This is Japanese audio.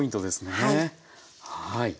はい。